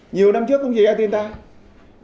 nhiều năm trước không xảy ra thiên tai